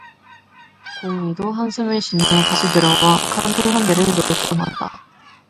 공의도 한숨을 쉬며 다시 들어와 캄플 한 대를 놓고 나왔다.